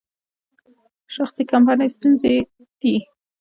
شخصي کمپنۍ ستونزمنې دي.